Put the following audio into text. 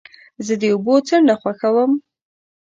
زه د اوبو څنډه خوښوم.